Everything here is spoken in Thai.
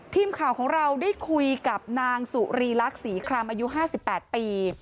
ทีมข่าวของเราได้คุยกับนางสุรีลักษ์ศรีครามอายุ๕๘ปี